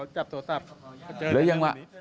แล้วยังว่า